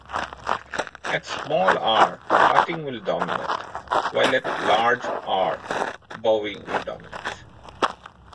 At small r, cutting will dominate, while at large r, bowing will dominate.